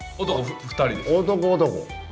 男、男？